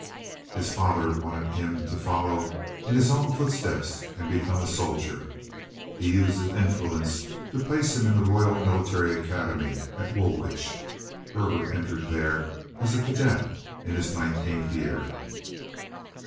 His father wanted him to follow in his own footsteps and become a soldier. He used his influence to place him in the Royal Military Academy, at Woolwich. Herbert entered there as a cadet, in his nineteenth year.